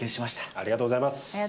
ありがとうございます。